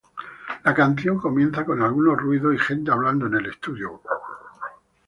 La canción comienza con algunos ruidos y gente hablando en el estudio.